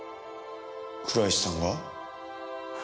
倉石さんが？